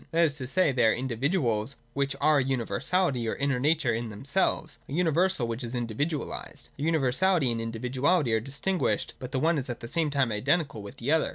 That is to say, they are individuals, which are a universality or inner nature in themselves, — a universal which is individualised. Their universality and individuality are distinguished, but the one is at the same time identical with the other.